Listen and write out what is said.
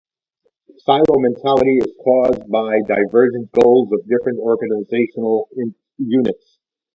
Silo mentality is caused by divergent goals of different organizational units.